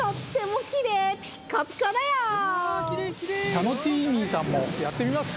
タノチーミーさんもやってみますか？